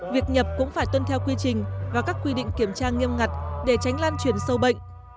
việc nhập cũng phải tuân theo quy trình và các quy định kiểm tra nghiêm ngặt để tránh lan truyền sâu bệnh